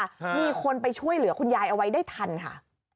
มีคนไปช่วยเหลือคุณยายเอาไว้ได้ทันค่ะ